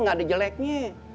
gak ada jeleknya